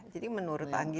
jadi menurut anggito